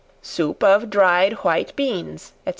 Soup of Dried White Beans, &c.